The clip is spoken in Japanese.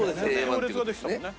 行列ができてたもんね。